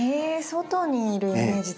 外にいるイメージ